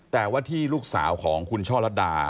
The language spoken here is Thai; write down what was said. แต่ว่าที่ลูกสาวของคุณช่อลัดดา